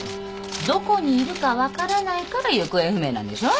どこにいるか分からないから行方不明なんでしょ？